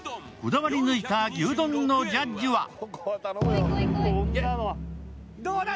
こだわり抜いた牛丼のジャッジは？